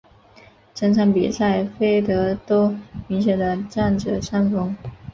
整场比赛菲德都明显的占着上风。